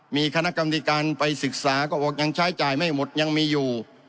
มีคณะกรรมธิการไปศึกษาก็บอกยังใช้จ่ายไม่หมดยังมีอยู่